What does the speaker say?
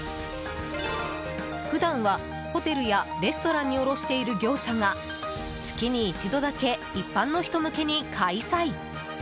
普段はホテルやレストランに卸している業者が月に一度だけ一般の人向けに開催。